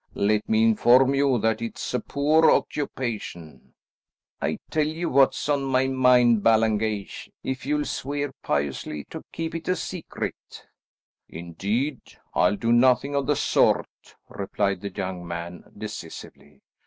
Let me inform you that it's a poor occupation." "I'll tell you what's on my mind, Ballengeich, if you'll swear piously to keep it a secret." "Indeed, I'll do nothing of the sort," replied the young man decisively.